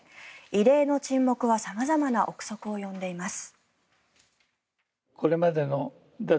異例の沈黙は様々な臆測を呼んでいます。